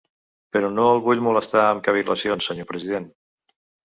Però no el vull molestar amb cavil·lacions, senyor president.